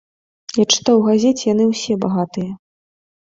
Я чытаў у газеце, яны ўсе багатыя!